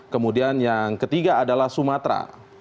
kemudian yang ketiga adalah sumatera